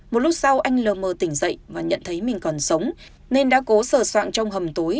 một lúc sau anh lờ mờ tỉnh dậy và nhận thấy mình còn sống nên đã cố sở soạn trong hầm tối